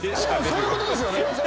そういうことですよね！